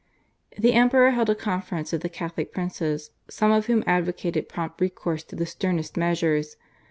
The Emperor held a conference with the Catholic princes, some of whom advocated prompt recourse to the sternest measures.